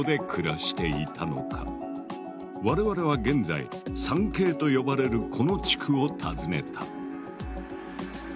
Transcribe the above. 我々は現在三渓と呼ばれるこの地区を訪ねた。